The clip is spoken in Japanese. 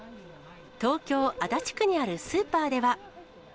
東京・足立区にあるスーパーでは。